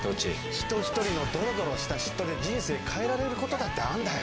人ひとりのドロドロした嫉妬で人生変えられることだってあんだよ。